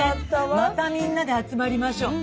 またみんなで集まりましょう。